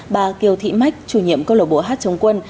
bà kiều thị mách chủ nhiệm cơ lộ bộ hát chống quân